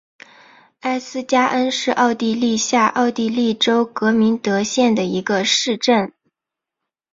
艾斯加恩是奥地利下奥地利州格明德县的一个市镇。